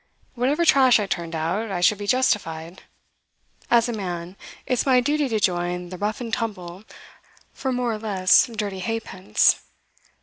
Whatever trash I turned out, I should be justified; as a man, it's my duty to join in the rough and tumble for more or less dirty ha'pence.